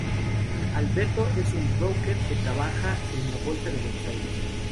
Alberto es un "broker" que trabaja en la bolsa de Buenos Aires.